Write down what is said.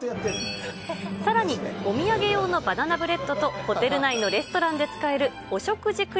さらに、お土産用のバナナブレッドと、ホテル内のレストランで使える、お食事